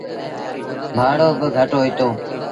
ڀآڙو با گھٽ هوئيٚتو۔